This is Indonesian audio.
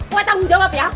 gue tanggung jawab ya